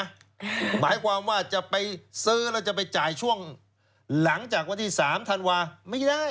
หมายความว่าจะไปซื้อแล้วจะไปจ่ายช่วงหลังจากวันที่๓ธันวาไม่ได้